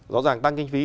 rõ ràng tăng kinh phí